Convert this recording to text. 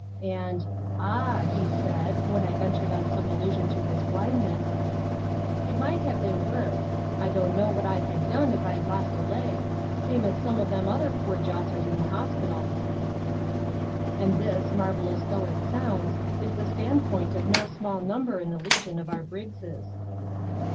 And, "Ah," he said, when I ventured on some allusion to his blindness, "it might ha' bin worse. I don' know what I'd ha' done if I'd lost a leg, same as some of them other poor jossers in th' hospital!" (And this, marvellous though it sounds, is the standpoint of no small number in the legion of our Briggses.)